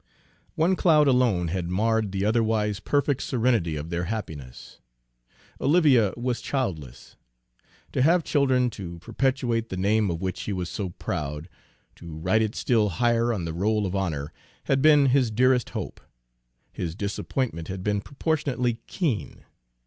One cloud alone had marred the otherwise perfect serenity of their happiness. Olivia was childless. To have children to perpetuate the name of which he was so proud, to write it still higher on the roll of honor, had been his dearest hope. His disappointment had been proportionately keen.